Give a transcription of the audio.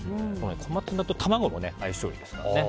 コマツナと卵も相性がいいですからね。